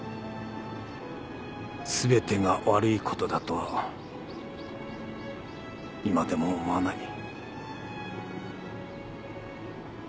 すべてが悪いことだとは今でも思わない。